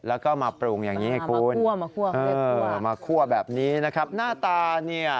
แล้วก็มาปรุงอย่างนี้ให้คุณคั่วมาคั่วมาคั่วแบบนี้นะครับหน้าตาเนี่ย